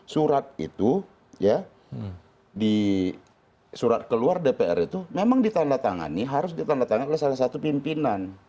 surat itu ya di surat keluar dpr itu memang ditandatangani harus ditandatangani oleh salah satu pimpinan